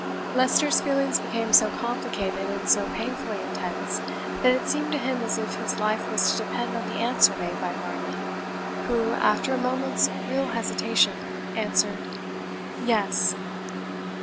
Leicester's feelings became so complicated and so painfully intense, that it seemed to him as if his life was to depend on the answer made by Varney, who, after a moment's real hesitation, answered, "Yes."